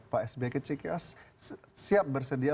pak s b kecik siap bersedia